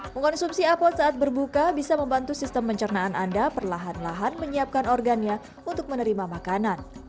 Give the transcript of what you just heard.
mengkonsumsi apot saat berbuka bisa membantu sistem pencernaan anda perlahan lahan menyiapkan organnya untuk menerima makanan